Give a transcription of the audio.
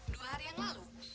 dua hari yang lalu